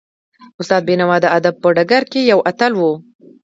استاد بینوا د ادب په ډګر کې یو اتل و.